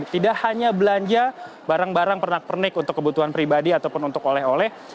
tidak hanya belanja barang barang pernak pernik untuk kebutuhan pribadi ataupun untuk oleh oleh